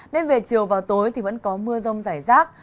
nên về chiều vào tối thì vẫn có mưa rông giải rác